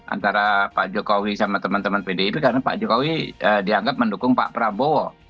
antara pak jokowi sama teman teman pdip karena pak jokowi dianggap mendukung pak prabowo